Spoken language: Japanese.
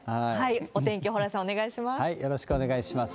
お天気、蓬莱さん、お願いします。